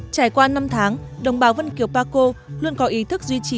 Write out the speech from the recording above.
trải qua năm tháng đồng bào vân kiều pa co luôn có ý thức duy trì